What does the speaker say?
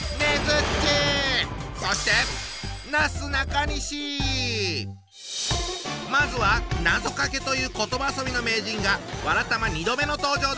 そしてまずはなぞかけという言葉遊びの名人が「わらたま」２度目の登場だ！